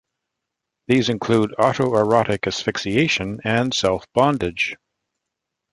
These include autoerotic asphyxiation and self-bondage.